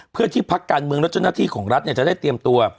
เพื่อที่พักการเมืองรัสนาธิของรัฐจะได้เตรียมตัว